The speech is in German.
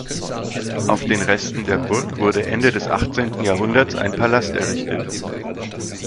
Auf den Resten der Burg wurde Ende des achtzehnten Jahrhunderts ein Palasts errichtet.